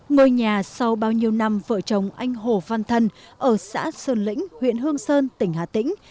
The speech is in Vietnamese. ngôi nhà sau bao nhiêu năm vợ chồng anh hồ văn thân ở xã sơn lĩnh huyện hương sơn tỉnh hà tĩnh